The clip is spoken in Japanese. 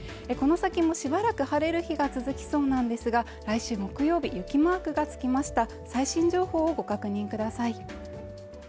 この先もしばらく晴れる日が続きそうなんですが来週木曜日雪マークがつきました最新情報をご確認ください